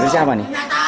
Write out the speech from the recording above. ini bersih apa nih